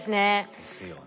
ですよね。